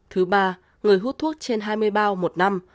thứ ba người hút thuốc trên hai mươi bao một năm